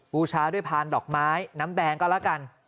บูชาด้วยพานดอกไม้น้ำแดงก็แล้วกัน